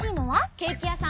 ケーキやさん！